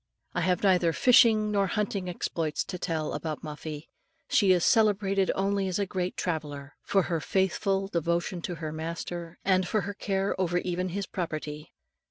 I have neither fishing nor hunting exploits to tell of about Muffie. She is celebrated only as a great traveller, for her faithful devotion to her master, and for her care over even his property.